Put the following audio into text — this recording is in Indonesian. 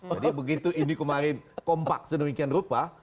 jadi begitu ini kemarin kompak sedemikian rupa